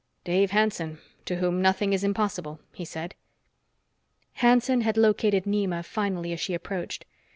"Dave Hanson, to whom nothing is impossible," he said. Hanson had located Nema finally as she approached.